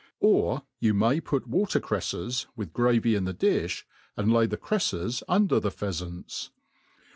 Or you may put water crefTes, with gravy in the difls, and hy the cre, fles under the pheafants.